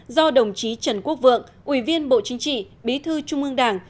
do đồng chí trần quốc vượng ủy viên bộ chính trị bí thư trung ương đảng